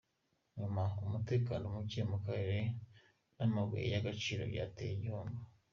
Nyuma, umutekano muke mu karere n’amabuye y’agaciro byateje igihombo.